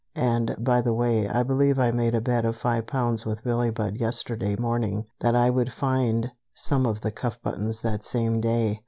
And, by the way, I believe I made a bet of five pounds with Billie Budd yesterday morning that I would find some of the cuff buttons that same day.